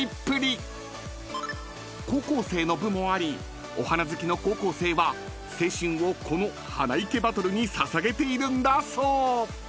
［高校生の部もありお花好きの高校生は青春をこの花いけバトルに捧げているんだそう］